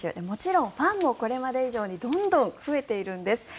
もちろんファンもこれまで以上にどんどん増えているんです。